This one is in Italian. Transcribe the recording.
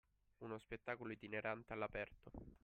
Uno spettacolo itinerante all’aperto